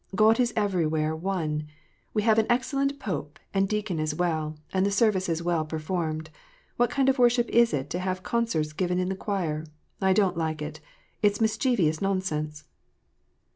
"God is everywhere One. We have an excellent pope, and deacon as well, and the service is well performed. What kind of worship is it to have concerts given in the choir ? I don't like it. Jt's mischievous nonsense."